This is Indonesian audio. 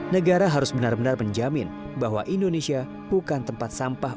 negara harus benar benar menjamin bahwa indonesia bukan tempat sampah